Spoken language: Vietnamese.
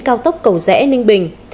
cao tốc cầu rẽ ninh bình